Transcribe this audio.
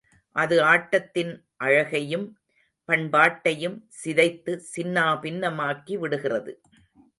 அது ஆட்டத்தின் அழகையும் பண்பாட்டையும் சிதைத்து சின்னா பின்னமாக்கி விடுகிறது.